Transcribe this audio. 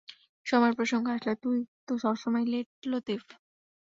সময়ের প্রসঙ্গ আসলে তুই তো সবসময়ই লেট লতিফ!